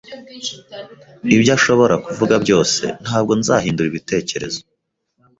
Ibyo ashobora kuvuga byose, ntabwo nzahindura ibitekerezo.